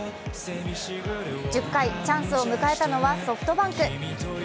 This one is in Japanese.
１０回、チャンスを迎えたのはソフトバンク。